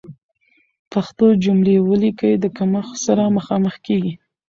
پښتو جملې وليکئ، د کمښت سره مخامخ دي.